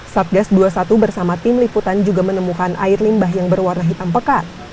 satgas dua puluh satu bersama tim liputan juga menemukan air limbah yang berwarna hitam pekat